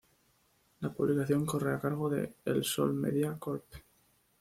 La publicación corre a cargo de "El Sol Media, Corp".